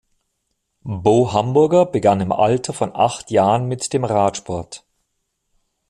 Bo Hamburger begann im Alter von acht Jahren mit dem Radsport.